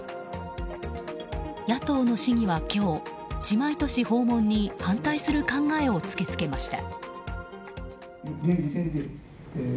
野党の市議は今日姉妹都市訪問に反対する考えを突き付けました。